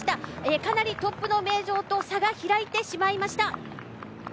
かなりトップの名城と差が開いてしまいました。